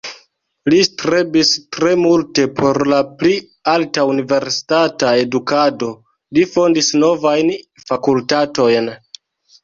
Li strebis tre multe por la pli alta universitata edukado, li fondis novajn fakultatojn.